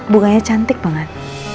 bukannya cantik banget